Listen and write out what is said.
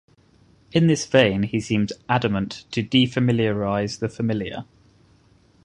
In this vein he seems adamant to defamiliarize the familiar.